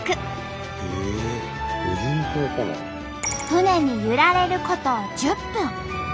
船に揺られること１０分。